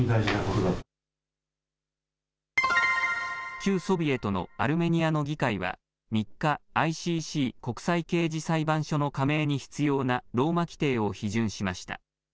旧ソビエトのアルメニアの議会は３日、ＩＣＣ・国際刑事裁判所の加盟に必要なローマ規程を批准しました。